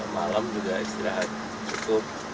malam juga istirahat cukup